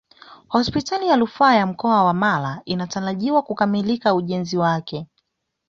Hospitali ya rufaa ya mkoa wa mara inatarajiwa kukamilika ujenzi wake